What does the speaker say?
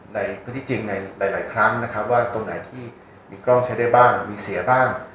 ในพื้นที่จริงในหลายครั้งนะครับว่าตรงไหนที่มีกล้องใช้ได้บ้างมีเสียบ้าง